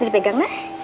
boleh pegang nak